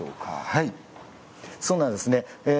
はいそうなんですね。